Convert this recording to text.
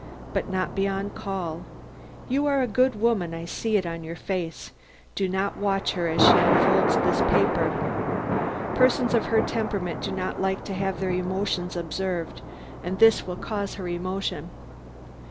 But not beyond call. You are a good woman I see it in your face do not watch her as she unfolds this paper. Persons of her temperament do not like to have their emotions observed, and this will cause her emotion.